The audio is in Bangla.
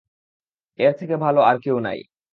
এর থেকে ভালো আর কেউ নেই।